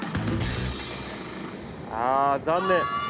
あ残念！